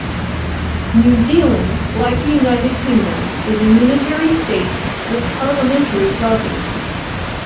New Zealand, like the United Kingdom, is a unitary state with parliamentary sovereignty.